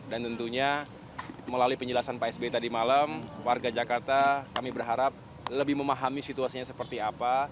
dan tentunya melalui penjelasan pak sbe tadi malam warga jakarta kami berharap lebih memahami situasinya seperti apa